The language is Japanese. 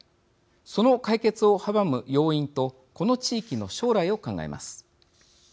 その解決を阻む要因とこの地域の将来を考えます。